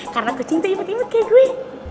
karena kucing tuh imut imut kayak gue